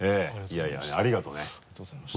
いやいやありがとね。